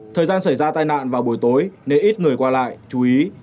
thời gian xảy ra tai nạn vào buổi tối nên ít người qua lại chú ý